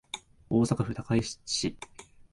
大阪府高石市